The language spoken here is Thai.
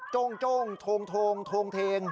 โจ้งโทงโทงเทง